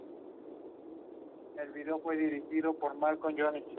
Si ve un clavo en el suelo, lo colocará con la punta hacia arriba.